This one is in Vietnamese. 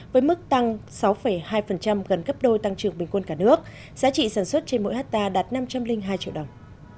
với mức tăng sáu hai gần gấp đôi tăng trưởng bình quân cả nước giá trị sản xuất trên mỗi hectare đạt năm trăm linh hai triệu đồng